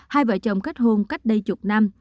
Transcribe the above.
hai vợ chồng kết hôn cách đây chục năm